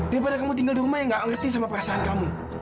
daripada kamu tinggal di rumah yang gak ngerti sama pasangan kamu